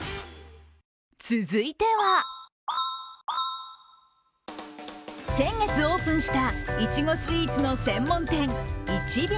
続いては、先月オープンしたいちごスイーツの専門店ＩＣＨＩＢＩＫＯ。